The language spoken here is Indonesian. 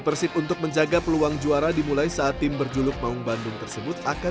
persib untuk menjaga peluang juara dimulai saat tim berjuluk maung bandung tersebut akan